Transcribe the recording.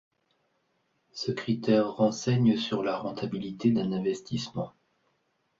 Ce critère renseigne sur la rentabilité d'un investissement.